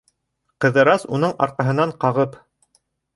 Ҡыҙырас, уның арҡаһынан ҡағып: